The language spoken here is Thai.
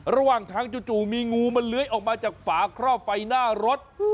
ระหว่างทางจู่มีงูมันเลื้อยออกมาจากฝาครอบไฟหน้ารถ